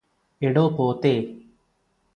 എടോ പോത്തേ